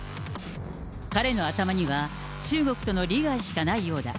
彼の頭には、中国との利害しかないようだ。